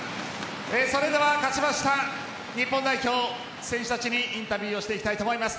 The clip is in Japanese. それでは勝ちました日本代表選手たちにインタビューをしていきたいと思います。